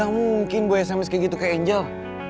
gak mungkin boy sms kayak gitu ke angel